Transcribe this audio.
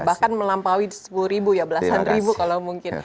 bahkan melampaui sepuluh ribu ya belasan ribu kalau mungkin